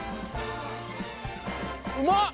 うまっ。